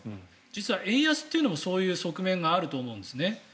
実は円安というのもそういう側面があると思うんですね。